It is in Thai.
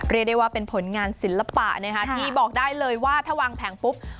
เรียกได้ว่าเป็นผลงานศิลปะนะคะที่บอกได้เลยว่าถ้าวางแผงปุ๊บ